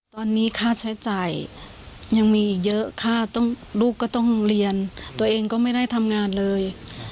ตอนนี้ค่าใช้จ่ายยังมีเยอะค่าต้องลูกก็ต้องเรียนตัวเองก็ไม่ได้ทำงานเลย